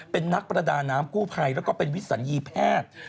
เป็นนักประดาน้ำกู้ภัยแล้วก็เป็นวิสัญญีแพทย์